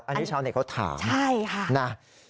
อันนี้ชาวเน็ตเขาถามใช่ค่ะนะ